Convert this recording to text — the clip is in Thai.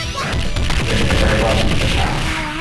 เป็นไปได้ว่าฟิวส์จะขาด